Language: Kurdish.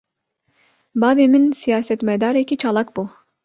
Bavê min, siyasetmedarekî çalak bû